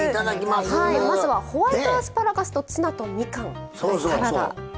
まずはホワイトアスパラガスとツナとみかんのサラダ。